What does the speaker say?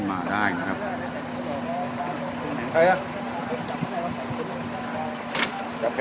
สวัสดีครับทุกคน